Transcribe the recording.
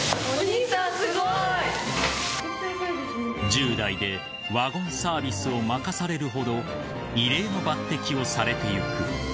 ［１０代でワゴンサービスを任されるほど異例の抜てきをされていく］